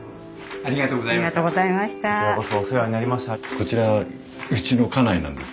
ありがとうございます。